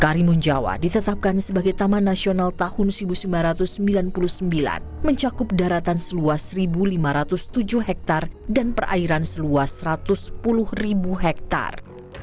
karimun jawa ditetapkan sebagai taman nasional tahun seribu sembilan ratus sembilan puluh sembilan mencakup daratan seluas satu lima ratus tujuh hektare dan perairan seluas satu ratus sepuluh hektare